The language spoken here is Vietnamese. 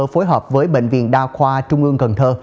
phối hợp với bệnh viện đa khoa trung ương cần thơ